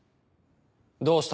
どうした？